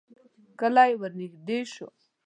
کلی ورنږدې شو.